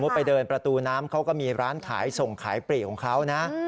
ไปเดินประตูน้ำเขาก็มีร้านขายส่งขายปลีกของเขานะ